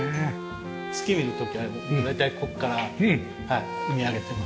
月見る時は大体ここから見上げてます。